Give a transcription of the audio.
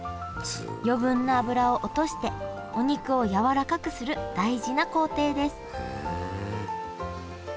余分な脂を落としてお肉をやわらかくする大事な工程です